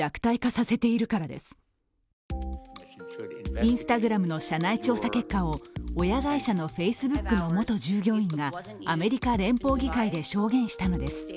Ｉｎｓｔａｇｒａｍの社内調査結果を親会社のＦａｃｅｂｏｏｋの元従業員がアメリカ連邦議会で証言したのです。